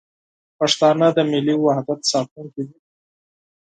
پښتانه د ملي وحدت ساتونکي دي.